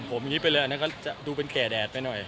อย่างนี้ไปเลยก็จะมันเหมือนเป็นแก่แดดอีกนิดนึง